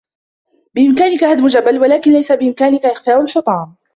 بإمكانك هدم جبل.. ولكن ليس بإمكانك إخفاء الحطام.